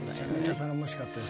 頼もしかったです。